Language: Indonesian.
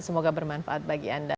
semoga bermanfaat bagi anda